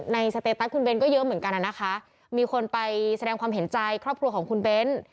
สเตตัสคุณเบ้นก็เยอะเหมือนกันนะคะมีคนไปแสดงความเห็นใจครอบครัวของคุณเบ้น